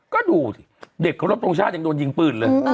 ก็ดูสิเด็กเคารพทรงชาติยังโดนยิงปืนเลย